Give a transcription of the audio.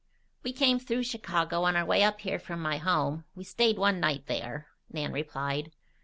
"We came through Chicago on our way up here from my home. We stayed one night there," Nan replied.